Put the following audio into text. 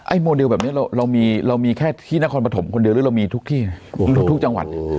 โมเดลแบบนี้เรามีเรามีแค่ที่นครปฐมคนเดียวหรือเรามีทุกที่นะทุกจังหวัด